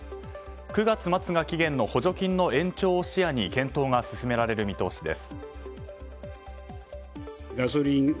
９月末が期限の補助金の延長を視野に検討が進められる見通しです。